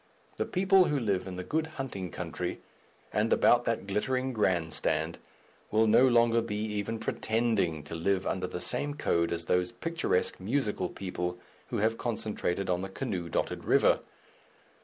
The people who live in the good hunting country and about that glittering Grand Stand, will no longer be even pretending to live under the same code as those picturesque musical people who have concentrated on the canoe dotted river.